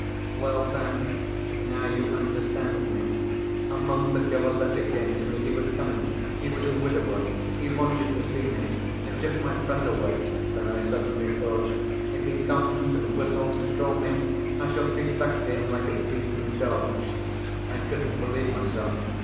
Well then, now you understand me. A month ago a letter came to me—he was coming, he was a widower, he wanted to see me. It took my breath away; then I suddenly thought: 'If he comes and whistles to call me, I shall creep back to him like a beaten dog.' I couldn't believe myself.